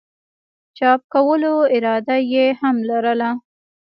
چاپ کولو اراده ئې هم لرله